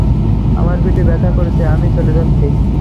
আমার পিঠে ব্যাথা করছে, আমি চলে যাচ্ছি।